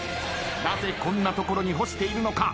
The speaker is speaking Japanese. なぜこんなところに干しているのか？